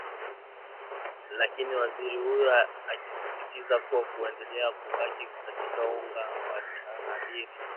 lakini waziri huyo akisisitiza kuwa kuendelea kubaki katika uga wa tahariri